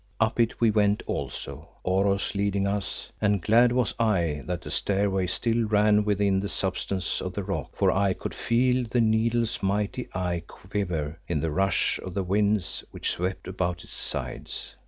Up it we went also, Oros leading us, and glad was I that the stairway still ran within the substance of the rock, for I could feel the needle's mighty eye quiver in the rush of the winds which swept about its sides.